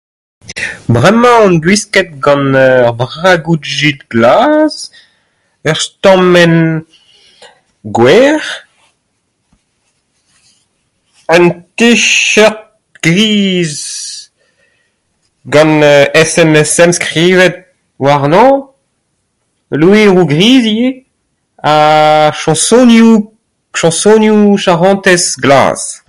"Bremañ on gwisket gant ur bragoù jeans glas, ur stammenn wer, un t-shirt gris gant SNSM skrivet warnañ, loeroù gris ivez ha chaosonioù, chaosonioù ""charentaise"" glas."